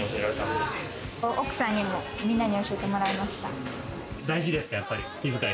奥さんにも、みんなにも教えてもらいました。